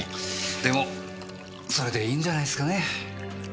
でもそれでいいんじゃないすかね。